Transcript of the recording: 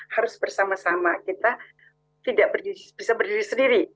harus bersama sama kita tidak bisa berdiri sendiri